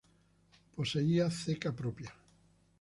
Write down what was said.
Poseía ceca propia.